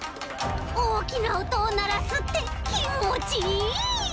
おおきなおとをならすってきんもちいい！